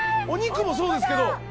お肉もそうですけど。